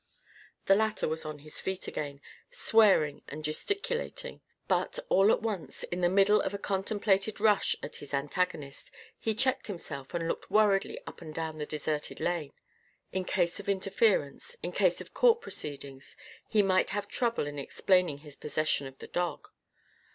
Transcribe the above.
The latter was on his feet again, swearing and gesticulating. But, all at once, in the middle of a contemplated rush at his antagonist, he checked himself and looked worriedly up and down the deserted lane. In case of interference in case of court proceedings he might have trouble in explaining his possession of the dog.